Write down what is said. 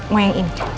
mau yang ini